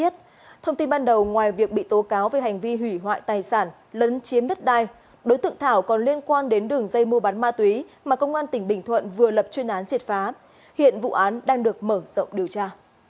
thông tin ban đầu ngoài việc bị tố cáo về hành vi hủy hoại tài sản lấn chiếm đất đai đối tượng thảo còn liên quan đến đường dây mua bán ma túy mà công an tỉnh bình thuận vừa lập chuyên án triệt phá hiện vụ án đang được mở rộng điều tra